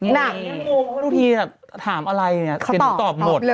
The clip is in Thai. เฮ้ยนี่เซียโมงเพื่อทุกทีถามอะไรเซียดูตอบหมด